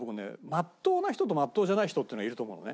まっとうな人とまっとうじゃない人っていうのがいると思うのね。